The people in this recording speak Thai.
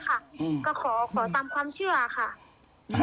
แล้วก็ขอพ้อนก็คือหยิบมาเลยค่ะพี่หมดำ